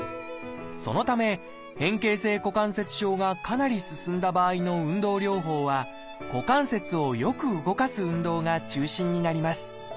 そのため変形性股関節症がかなり進んだ場合の運動療法は股関節をよく動かす運動が中心になります。